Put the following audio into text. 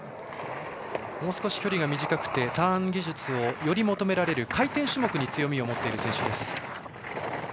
もう少し距離が短くてターン技術をより求められる回転種目に強みを持っている選手です。